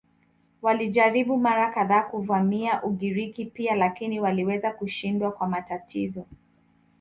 Walijaribu mara kadhaa kuvamia Ugiriki pia lakini waliweza kushindwa kwa matatizo.